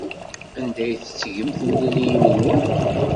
Anda ay tettgem timliliyin-nwen?